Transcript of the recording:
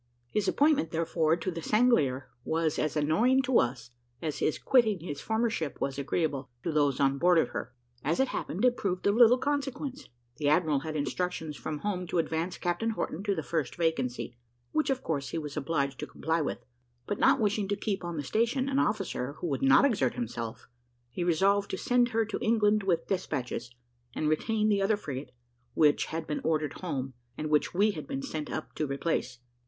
His appointment, therefore, to the Sanglier was as annoying to us, as his quitting his former ship was agreeable to those on board of her. As it happened, it proved of little consequence: the admiral had instructions from home to advance Captain Horton to the first vacancy, which of course he was obliged to comply with; but not wishing to keep on the station an officer who would not exert himself, he resolved to send her to England with despatches, and retain the other frigate which had been ordered home, and which we had been sent up to replace.